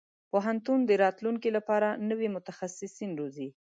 پوهنتون د راتلونکي لپاره نوي متخصصين روزي.